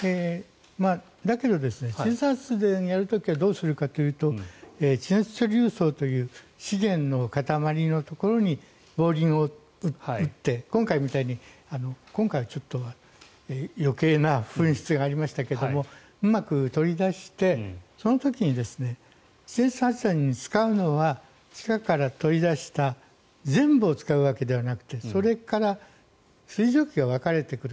だけれど、発電をどうするかというと地熱処理層という塊のところにボーリングを打って今回みたいに今回、余計な噴出がありましたけどうまく取り出してその時に使うのは地下から取り出した全部を使うわけではなくてそれから水蒸気が分かれてくる。